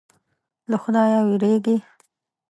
له خدایه وېرېږي.